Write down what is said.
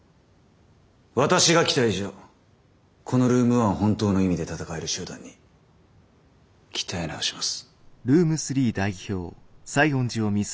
私が来た以上このルーム１を本当の意味で闘える集団に鍛え直します。